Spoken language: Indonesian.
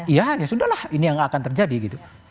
iya ya sudah lah ini yang akan terjadi gitu